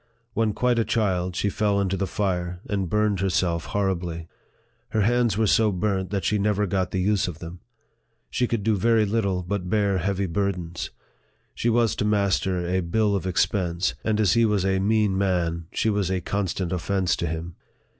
When quite a child, she fell into the fire, and burned herself horribly. Her hands were so burnt that she never got the use of them. She could do very little but bear heavy burdens. She was to master a bill of expense ; and as he was a mean man, she was a constant offence to him.